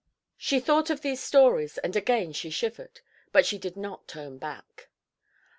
She thought of these stories and again she shivered, but she did not turn back.